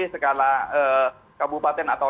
skala kabupaten atau